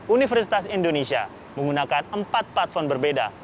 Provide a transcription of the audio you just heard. universitas indonesia menggunakan empat platform berbeda